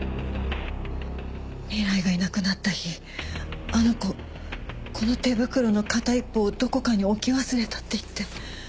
未来がいなくなった日あの子この手袋の片一方をどこかに置き忘れたって言って。